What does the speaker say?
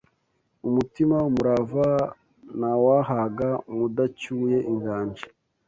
umutima, umurava ntawahavaga mudacyuye inganji